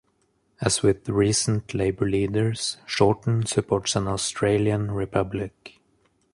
As with recent Labor leaders, Shorten supports an Australian republic.